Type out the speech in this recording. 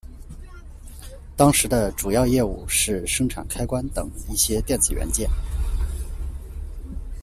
当时的主要业务是生产开关等一些电子元件。